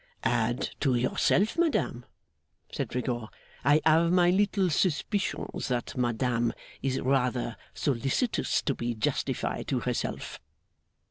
'Add, to yourself, madame,' said Rigaud. 'I have my little suspicions that madame is rather solicitous to be justified to herself.